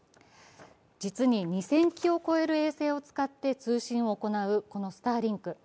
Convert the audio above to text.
実に２０００基を超える衛星を使って通信を行うスターリンク。